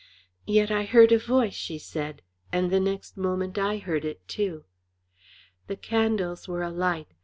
"Yet I heard a voice," she said, and the next moment I heard it too. The candles were alight.